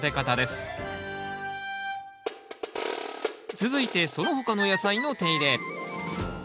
続いてその他の野菜の手入れ。